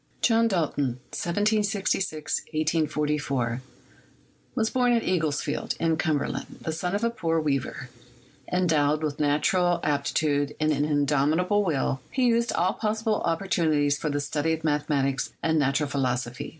John Dalton (1766 1844) was born at Eaglesfield, in Cumberland, the son of a poor weaver; endowed with nat ural aptitude and an indomitable will, he utilized all pos sible opportunities for the study of mathematics and natu ral philosophy.